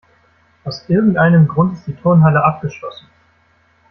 Aus irgendeinem Grund ist die Turnhalle abgeschlossen.